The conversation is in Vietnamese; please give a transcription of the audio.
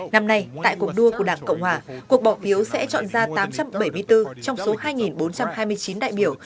năm nay tại cuộc đua của đảng cộng hòa cuộc bỏ phiếu sẽ chọn ra tám trăm bảy mươi bốn trong số hai bốn trăm hai mươi chín đại biểu